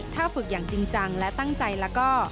ถ้าฝึกอย่างจริงจังและตั้งใจแล้วก็